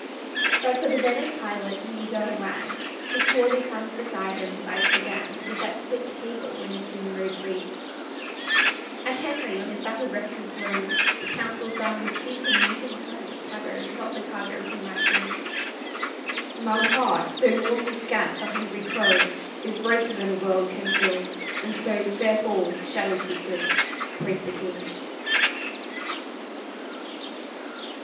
But for the Venice pilot, meagre, wan, His swarthy sons beside him, life began With that slipt cable, when his dream rode free. And Henry, on his battle wrested throne, The Councils done, would speak in musing tone Of Cabot, not the cargo he might bring. "Man's heart, though morsel scant for hungry crow, Is greater than a world can fill, and so Fair fall the shadow seekers!" quoth the king.